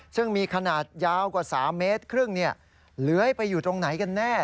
ซึ่งมีขนาดยาวกว่า๓เมตรครึ่งเลื้อยไปอยู่ตรงไหนกันแน่